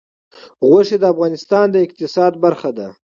غوښې د افغانستان د اقتصاد برخه ده.